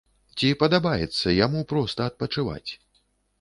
Ці падабаецца яму проста адпачываць?